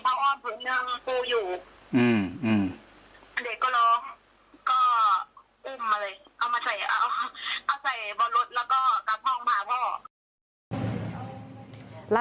บอกว่าตรงนั้นมันไม่มีกล้องมุมจ้อนปิดนะคะ